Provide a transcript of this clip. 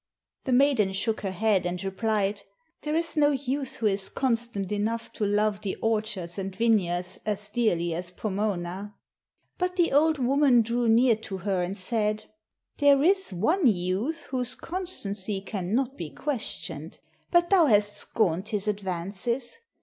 The maiden shook her head and replied, "There is no youth who is constant enough to love the orchards and vineyards as dearly as Pomona." But the old woman drew near to her and said, "There is one youth whose constancy can not be questioned, but thou hast scorned his advances.